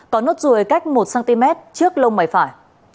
có nốt ruồi cách một cm trước lông mày phải